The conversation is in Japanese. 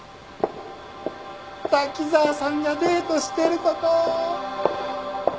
滝沢さんがデートしてるとこ！